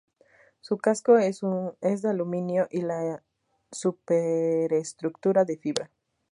Su casco es de aluminio y la superestructura de fibra.